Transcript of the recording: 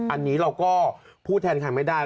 อันนี้เราก็พูดแทนใครไม่ได้